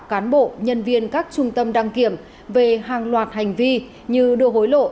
cán bộ nhân viên các trung tâm đăng kiểm về hàng loạt hành vi như đưa hối lộ